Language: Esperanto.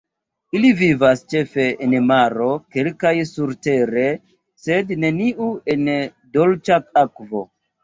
Ili vivas ĉefe en maro, kelkaj surtere, sed neniu en dolĉa akvo.